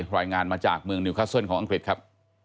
รายงานมาจากเมืองนิวคัสเซิลของอังกฤษครับ